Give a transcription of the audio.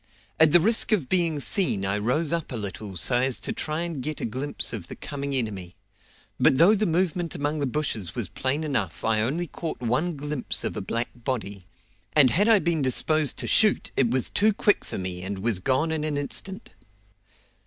At the risk of being seen I rose up a little so as to try and get a glimpse of the coming enemy; but though the movement among the bushes was plain enough I only caught one glimpse of a black body, and had I been disposed to shoot it was too quick for me and was gone in an instant.